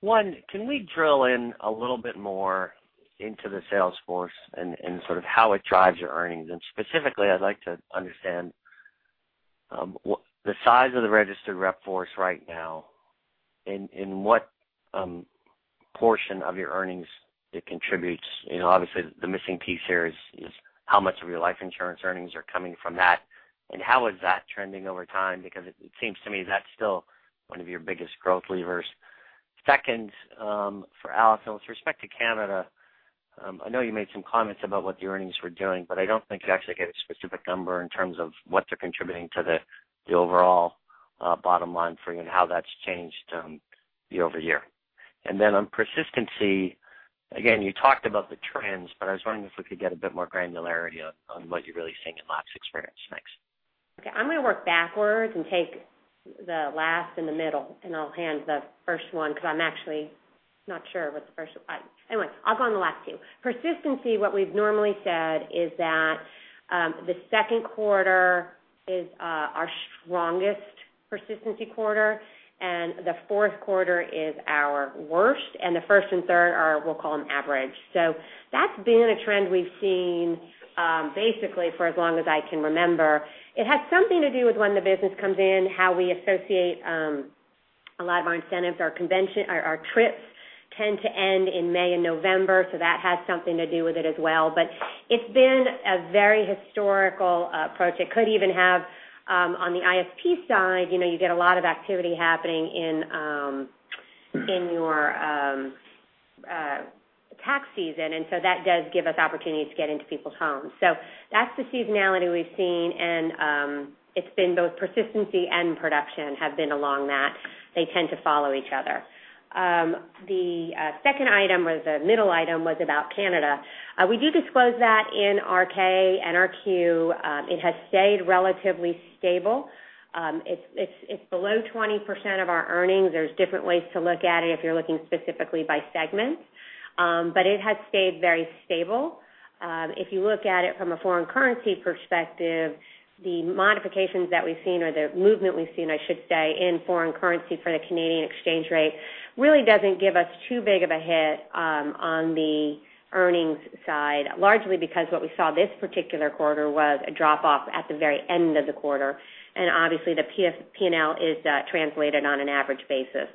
One, can we drill in a little bit more into the sales force and sort of how it drives your earnings? And specifically, I'd like to understand the size of the registered rep force right now and what portion of your earnings it contributes. Obviously, the missing piece here is how much of your life insurance earnings are coming from that, and how is that trending over time? It seems to me that's still one of your biggest growth levers. Second, for Alison, with respect to Canada, I know you made some comments about what the earnings were doing, but I don't think you actually gave a specific number in terms of what they're contributing to the overall bottom line for you and how that's changed year-over-year. Then on persistency, again, you talked about the trends, but I was wondering if we could get a bit more granularity on what you're really seeing in loss experience. Thanks. Okay. I'm going to work backwards and take the last and the middle, and I'll hand the first one. Anyway, I'll go on the last two. Persistency, what we've normally said is that the second quarter is our strongest persistency quarter, and the fourth quarter is our worst, and the first and third are, we'll call them average. That's been a trend we've seen basically for as long as I can remember. It has something to do with when the business comes in, how we associate a lot of our incentives. Our trips tend to end in May and November, so that has something to do with it as well. It's been a very historical approach. It could even have on the ISP side, you get a lot of activity happening in your tax season, and that does give us opportunities to get into people's homes. That's the seasonality we've seen, and it's been both persistency and production have been along that. They tend to follow each other. The second item or the middle item was about Canada. We do disclose that in our K and our Q. It has stayed relatively stable. It's below 20% of our earnings. There's different ways to look at it if you're looking specifically by segment. It has stayed very stable. If you look at it from a foreign currency perspective, the modifications that we've seen or the movement we've seen, I should say, in foreign currency for the Canadian exchange rate really doesn't give us too big of a hit on the earnings side, largely because what we saw this particular quarter was a drop-off at the very end of the quarter, and obviously the P&L is translated on an average basis.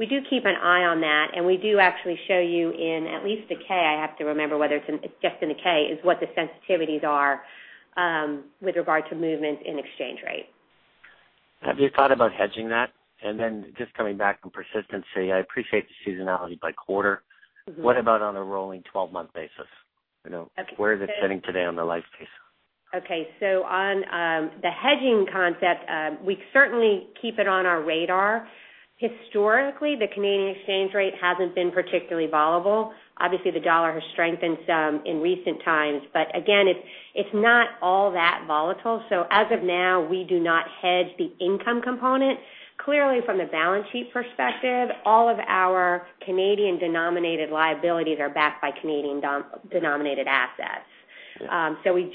We do keep an eye on that, and we do actually show you in at least a 10-K, I have to remember whether it's just in a 10-K, is what the sensitivities are with regard to movements in exchange rate. Have you thought about hedging that? Just coming back on persistency, I appreciate the seasonality by quarter. What about on a rolling 12-month basis? Okay. Where is it sitting today on the [life pace]? Okay. On the hedging concept, we certainly keep it on our radar. Historically, the Canadian exchange rate hasn't been particularly volatile. Obviously, the dollar has strengthened some in recent times, but again, it's not all that volatile. As of now, we do not hedge the income component. Clearly, from the balance sheet perspective, all of our Canadian-denominated liabilities are backed by Canadian-denominated assets. We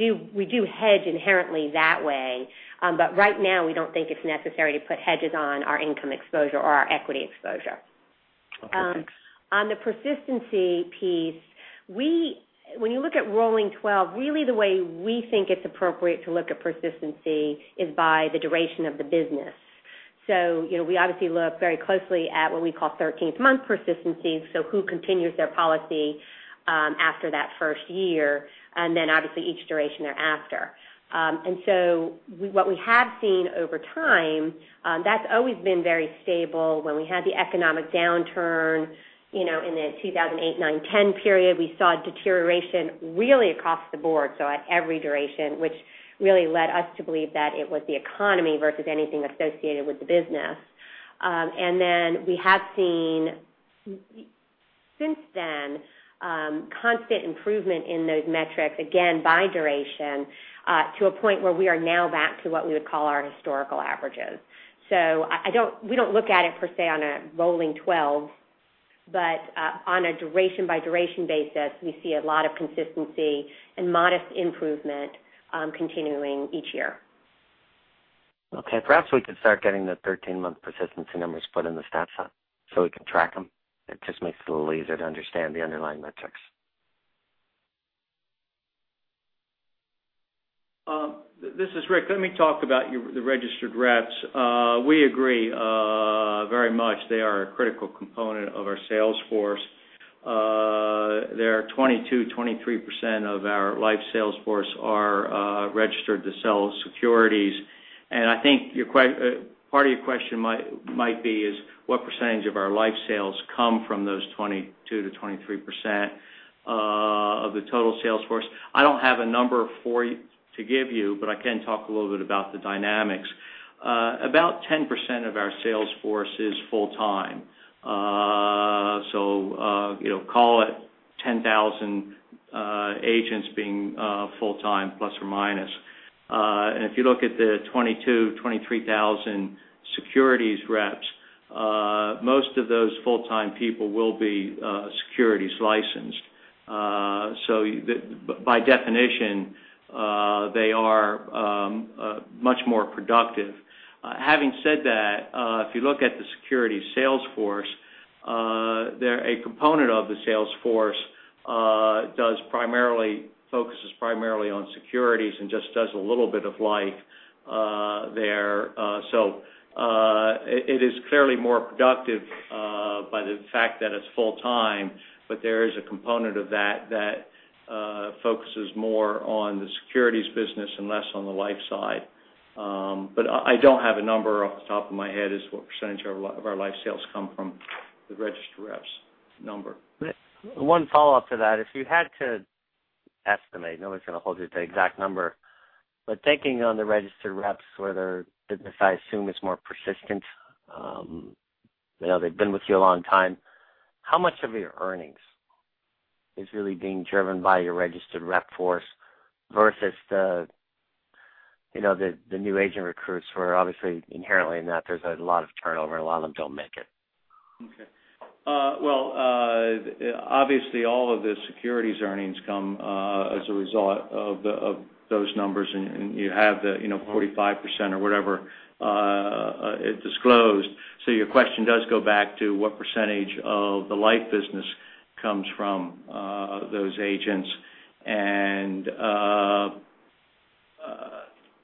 do hedge inherently that way. Right now, we don't think it's necessary to put hedges on our income exposure or our equity exposure. Okay, thanks. On the persistency piece, when you look at rolling 12, really the way we think it's appropriate to look at persistency is by the duration of the business. We obviously look very closely at what we call 13th-month persistency, so who continues their policy after that first year, and then obviously each duration thereafter. What we have seen over time, that's always been very stable. When we had the economic downturn in the 2008, 2009, 2010 period, we saw deterioration really across the board, so at every duration, which really led us to believe that it was the economy versus anything associated with the business. We have seen, since then, constant improvement in those metrics, again, by duration, to a point where we are now back to what we would call our historical averages. We don't look at it per se on a rolling 12, but on a duration by duration basis, we see a lot of consistency and modest improvement continuing each year. Okay. Perhaps we could start getting the 13-month persistency numbers put in the stat side so we can track them. It just makes it a little easier to understand the underlying metrics. This is Rick. Let me talk about the registered reps. We agree very much they are a critical component of our sales force. 22%-23% of our life sales force are registered to sell securities. I think part of your question might be is, what percentage of our life sales come from those 22%-23% of the total sales force? I don't have a number to give you, but I can talk a little bit about the dynamics. About 10% of our sales force is full-time. Call it 10,000 agents being full-time, plus or minus. If you look at the 22,000, 23,000 securities reps, most of those full-time people will be securities licensed. By definition, they are much more productive. Having said that, if you look at the securities sales force, a component of the sales force focuses primarily on securities and just does a little bit of life there. It is clearly more productive by the fact that it's full time, but there is a component of that that focuses more on the securities business and less on the life side. I don't have a number off the top of my head as what percentage of our life sales come from the registered reps number. One follow-up to that. If you had to estimate, nobody's going to hold you to the exact number, but taking on the registered reps where their business, I assume, is more persistent, they've been with you a long time, how much of your earnings is really being driven by your registered rep force versus the new agent recruits, where obviously, inherently in that there's a lot of turnover, a lot of them don't make it? Okay. Obviously all of the securities earnings come as a result of those numbers, and you have the 45% or whatever is disclosed. Your question does go back to what percentage of the life business comes from those agents.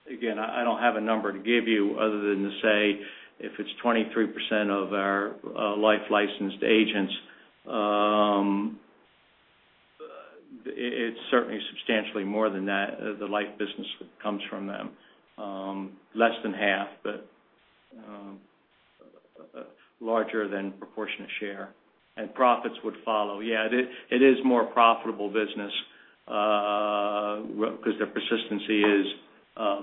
Again, I don't have a number to give you other than to say if it's 23% of our life-licensed agents, it's certainly substantially more than that, the life business comes from them. Less than half, but larger than proportionate share. Profits would follow. Yeah, it is more profitable business because their persistency is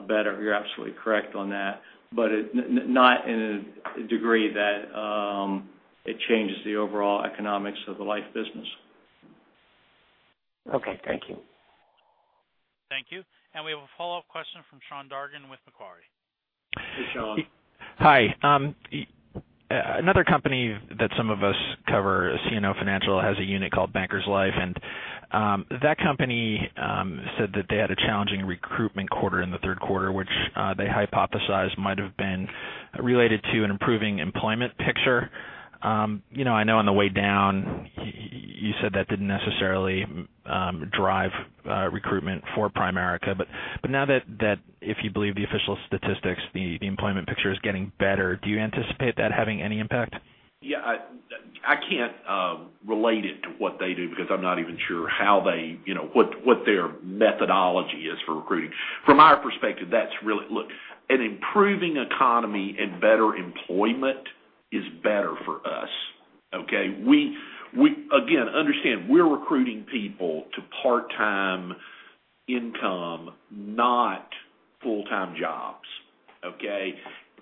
better, you're absolutely correct on that. Not in a degree that it changes the overall economics of the life business. Okay, thank you. Thank you. We have a follow-up question from Sean Dargan with Macquarie. Hey, Sean. Hi. Another company that some of us cover, CNO Financial, has a unit called Bankers Life. That company said that they had a challenging recruitment quarter in the third quarter, which they hypothesized might have been related to an improving employment picture. I know on the way down, you said that didn't necessarily drive recruitment for Primerica, now that if you believe the official statistics, the employment picture is getting better, do you anticipate that having any impact? Yeah, I can't relate it to what they do because I'm not even sure what their methodology is for recruiting. From our perspective, an improving economy and better employment is better for us. Okay. Again, understand, we're recruiting people to part-time income, not full-time jobs. Okay?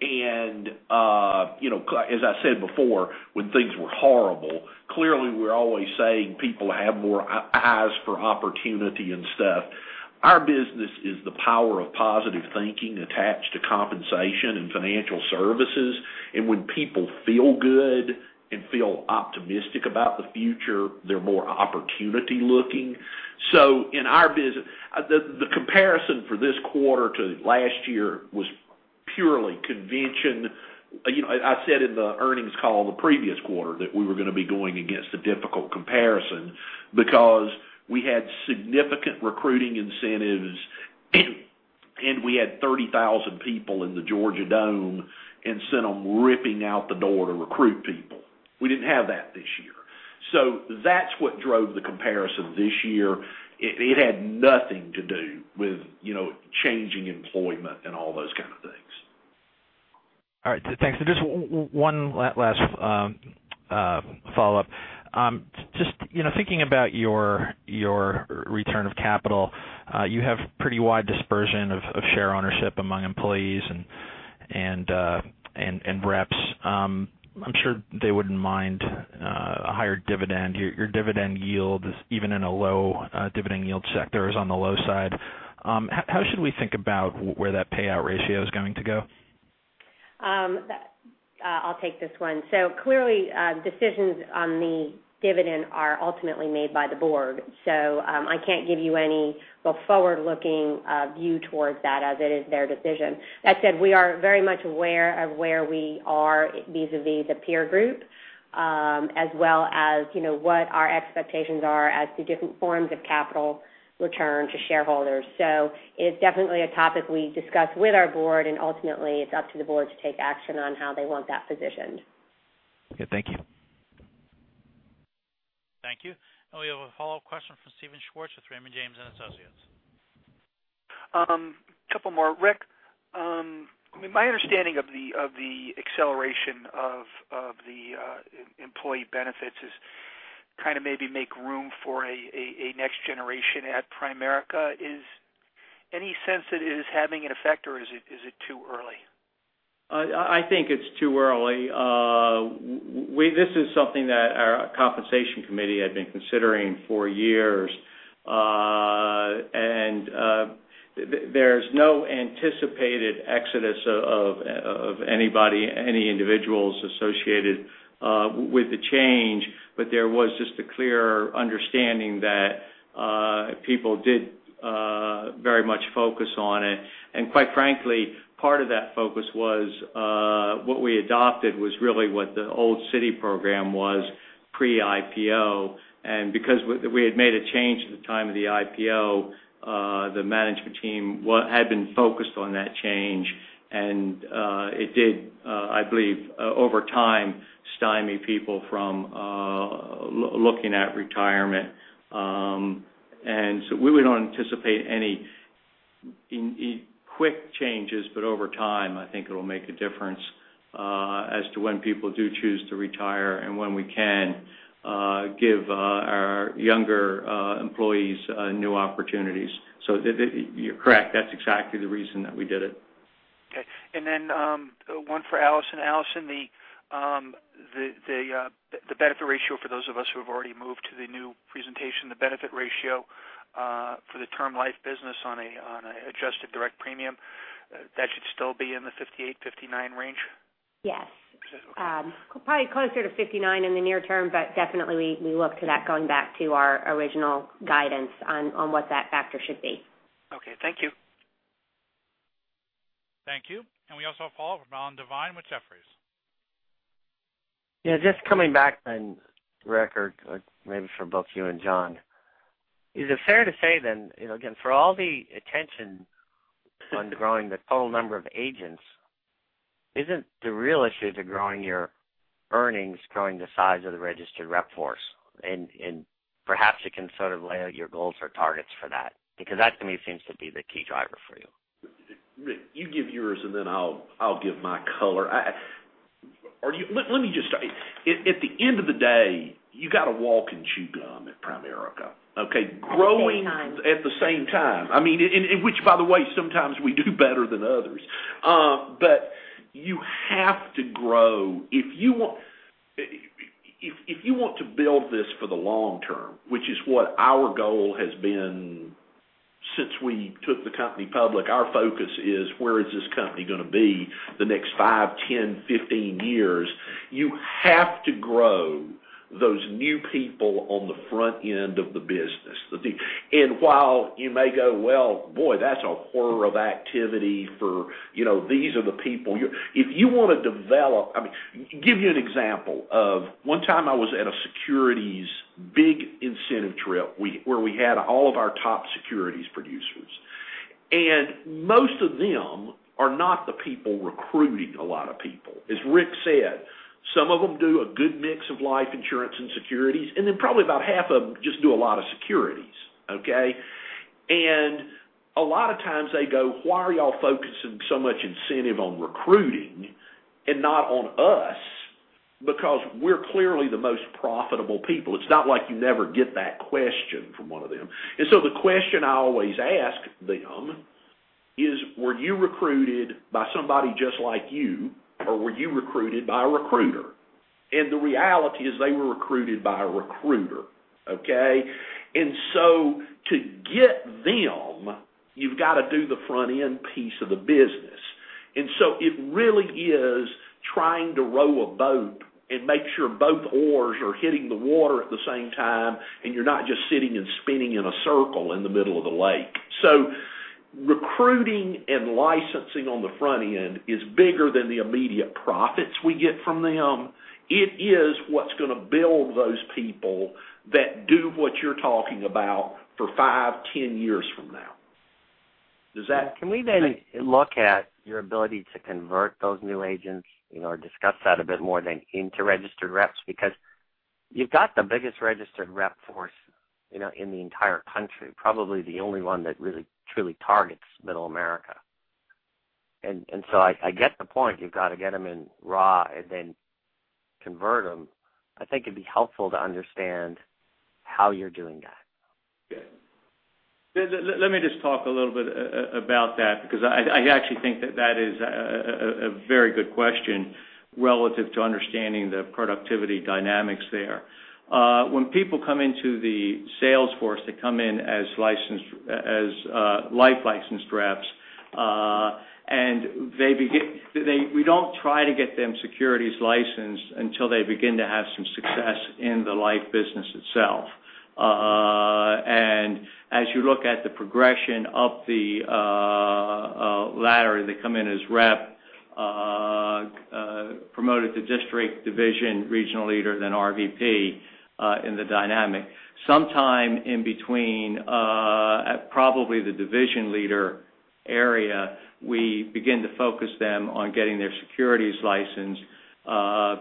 As I said before, when things were horrible, clearly we're always saying people have more eyes for opportunity and stuff. Our business is the power of positive thinking attached to compensation and financial services, and when people feel good and feel optimistic about the future, they're more opportunity-looking. The comparison for this quarter to last year was purely convention. I said in the earnings call the previous quarter that we were going to be going against a difficult comparison because we had significant recruiting incentives, and we had 30,000 people in the Georgia Dome and sent them ripping out the door to recruit people. We didn't have that this year. That's what drove the comparison this year. It had nothing to do with changing employment and all those kind of things. All right. Thanks. Just one last follow-up. Just thinking about your return of capital, you have pretty wide dispersion of share ownership among employees and reps. I'm sure they wouldn't mind a higher dividend. Your dividend yield, even in a low dividend yield sector, is on the low side. How should we think about where that payout ratio is going to go? I'll take this one. Clearly, decisions on the dividend are ultimately made by the board. I can't give you any forward-looking view towards that, as it is their decision. That said, we are very much aware of where we are vis-a-vis the peer group, as well as what our expectations are as to different forms of capital return to shareholders. It's definitely a topic we discuss with our board, and ultimately, it's up to the board to take action on how they want that positioned. Okay, thank you. Thank you. We have a follow-up question from Steven Schwartz with Raymond James & Associates. Couple more. Rick, my understanding of the acceleration of the employee benefits is kind of maybe make room for a next generation at Primerica. Is any sense it is having an effect, or is it too early? I think it's too early. This is something that our compensation committee had been considering for years. There's no anticipated exodus of anybody, any individuals associated with the change, but there was just a clear understanding that people did very much focus on it. Quite frankly, part of that focus was what we adopted was really what the old Citi program was pre-IPO, because we had made a change at the time of the IPO, the management team had been focused on that change, it did, I believe, over time, stymie people from looking at retirement. We don't anticipate any quick changes, but over time, I think it'll make a difference as to when people do choose to retire and when we can give our younger employees new opportunities. You're correct. That's exactly the reason that we did it. Okay. One for Alison. Alison, the benefit ratio for those of us who have already moved to the new presentation, the benefit ratio for the Term Life business on a adjusted direct premium, that should still be in the 58, 59 range? Yes. Okay. Probably closer to 59 in the near term, definitely we look to that going back to our original guidance on what that factor should be. Okay. Thank you. Thank you. We also have [Paul Devine] with Jefferies. Yeah, just coming back then, Rick, or maybe for both you and John, is it fair to say then, again, for all the attention on growing the total number of agents, isn't the real issue to growing your earnings, growing the size of the registered rep force? Perhaps you can sort of lay out your goals or targets for that, because that, to me, seems to be the key driver for you. Rick, you give yours, then I'll give my color. At the end of the day, you got to walk and chew gum at Primerica. Okay? At the same time. At the same time. Which, by the way, sometimes we do better than others. You have to grow. If you want to build this for the long term, which is what our goal has been since we took the company public, our focus is where is this company going to be the next five, 10, 15 years? You have to grow those new people on the front end of the business. While you may go, "Well, boy, that's a horror of activity for these are the people." Give you an example of one time I was at a securities big incentive trip where we had all of our top securities producers. Most of them are not the people recruiting a lot of people. As Rick said, some of them do a good mix of life insurance and securities, then probably about half of them just do a lot of securities, okay? A lot of times they go, "Why are you all focusing so much incentive on recruiting and not on us? We're clearly the most profitable people." It's not like you never get that question from one of them. The question I always ask them is, "Were you recruited by somebody just like you, or were you recruited by a recruiter?" The reality is they were recruited by a recruiter. Okay? To get them, you've got to do the front end piece of the business. It really is trying to row a boat and make sure both oars are hitting the water at the same time, and you're not just sitting and spinning in a circle in the middle of the lake. Recruiting and licensing on the front end is bigger than the immediate profits we get from them. It is what's going to build those people that do what you're talking about for five, 10 years from now. Does that make Can we look at your ability to convert those new agents, or discuss that a bit more into registered reps, because you've got the biggest registered rep force in the entire country. Probably the only one that really, truly targets middle America. I get the point. You've got to get them in raw and then convert them. I think it'd be helpful to understand how you're doing that. Good. Let me just talk a little bit about that, because I actually think that is a very good question relative to understanding the productivity dynamics there. When people come into the sales force, they come in as life licensed reps. We don't try to get them securities licensed until they begin to have some success in the life business itself. As you look at the progression up the ladder, they come in as rep, promoted to district, division, regional leader, then RVP, in the dynamic. Sometime in between, at probably the division leader area, we begin to focus them on getting their securities licensed,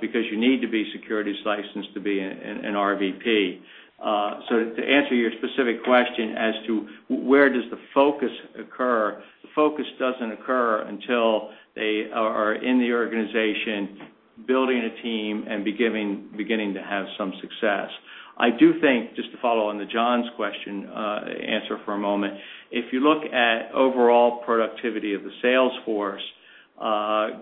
because you need to be securities licensed to be an RVP. To answer your specific question as to where does the focus occur, the focus doesn't occur until they are in the organization, building a team and beginning to have some success. I do think, just to follow on to John's question answer for a moment, if you look at overall productivity of the sales force,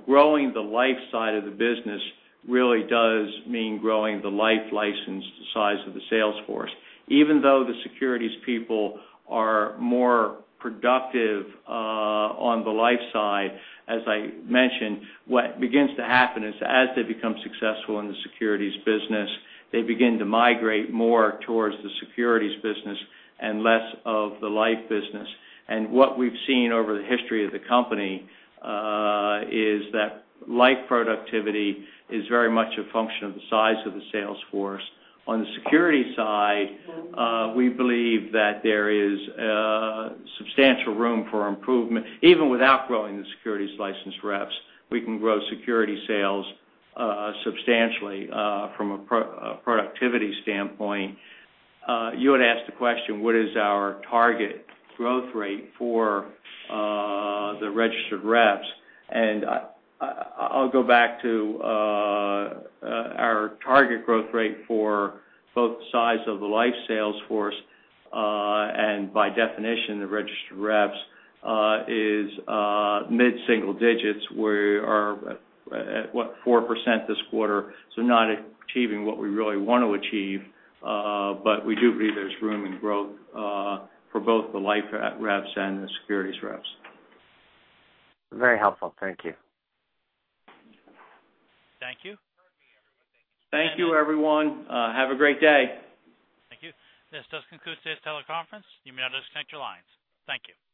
growing the life side of the business really does mean growing the life license to size of the sales force. Even though the securities people are more productive on the life side, as I mentioned, what begins to happen is as they become successful in the securities business, they begin to migrate more towards the securities business and less of the life business. What we've seen over the history of the company, is that life productivity is very much a function of the size of the sales force. On the securities side, we believe that there is substantial room for improvement. Even without growing the securities license reps, we can grow securities sales substantially from a productivity standpoint. You had asked the question, what is our target growth rate for the registered reps? I'll go back to our target growth rate for both sides of the life sales force, and by definition, the registered reps, is mid-single digits. We are at, what, 4% this quarter, so not achieving what we really want to achieve. We do believe there's room and growth for both the life reps and the securities reps. Very helpful. Thank you. Thank you. Thank you, everyone. Have a great day. Thank you. This does conclude today's teleconference. You may now disconnect your lines. Thank you.